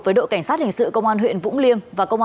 với đội cảnh sát hình sự công an huyện vũng liêm